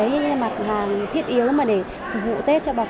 đấy là mặt hàng thiết yếu mà để phục vụ tết cho bà con